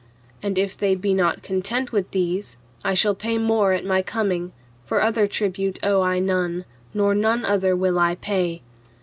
And if they be not content with these, I shall pay more at my coming, for other tribute owe I none, nor none other will I pay.